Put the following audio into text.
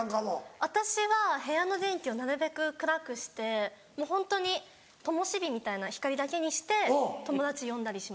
私は部屋の電気をなるべく暗くしてもうホントにともしびみたいな光だけにして友達呼んだりします。